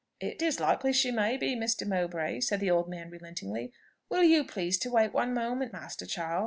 "It is likely she may be, Mr. Mowbray," said the old man relentingly. "Will you please to wait one moment, Master Charles?